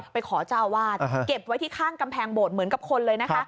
ไปขอเจ้าอาวาสเก็บไว้ที่ข้างกำแพงโบสถ์เหมือนกับคนเลยนะคะ